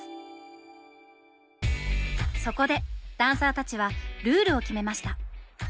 そこでダンサーたちはルールを決めました。